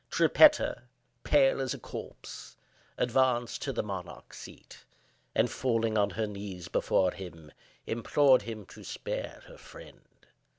Trippetta, pale as a corpse, advanced to the monarch's seat, and, falling on her knees before him, implored him to spare her friend.